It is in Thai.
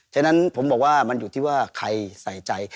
ฉะนั้นผมบอกว่ามันอยู่ที่ว่าใครใส่ใจ